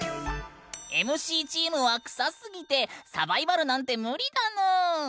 ＭＣチームはクサすぎてサバイバルなんて無理だぬん！